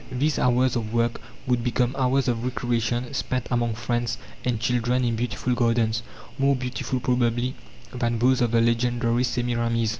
These hours of work would become hours of recreation spent among friends and children in beautiful gardens, more beautiful probably than those of the legendary Semiramis.